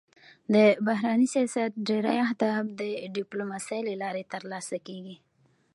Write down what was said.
د بهرني سیاست ډېری اهداف د ډيپلوماسی له لارې تر لاسه کېږي.